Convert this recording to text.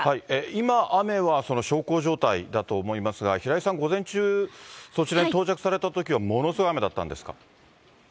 今、雨は小康状態だと思いますが、平井さん、午前中、そちらに到着されたときは、ものすごい雨だったんですか。